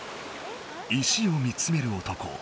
石を見つめる男。